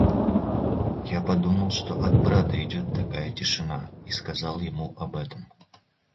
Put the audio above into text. Я подумал, что от брата идет такая тишина, и сказал ему об этом.